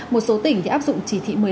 một số tỉnh áp dụng chỉ thị một mươi năm